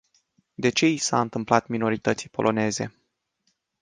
De ce i s-a întâmplat minorității poloneze?